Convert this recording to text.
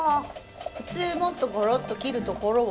普通もっとごろっと切るところを。